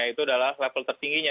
itu adalah level tertingginya